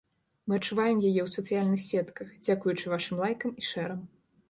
Мы адчуваем яе ў сацыяльных сетках, дзякуючы вашым лайкам і шэрам.